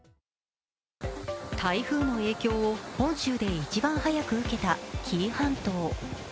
台風の影響を本州で一番早く受けた紀伊半島。